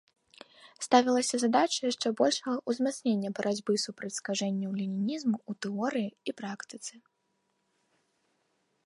Ставілася задача яшчэ большага ўзмацнення барацьбы супраць скажэнняў ленінізму ў тэорыі і практыцы.